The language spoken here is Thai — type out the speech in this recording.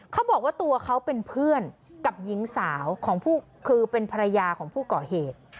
เขาบอกว่าตัวเขาเป็นเพื่อนกับหญิงสาวของผู้คือเป็นภรรยาของผู้ก่อเหตุ